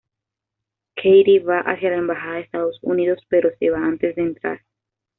Katie va hacia la embajada de Estados Unidos, pero se va antes de entrar.